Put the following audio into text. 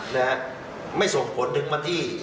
และไม่ส่งผลถึงวันที่๑๕